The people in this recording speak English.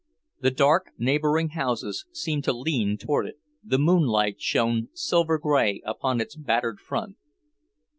The dark neighbouring houses seemed to lean toward it, the moonlight shone silver grey upon its battered front.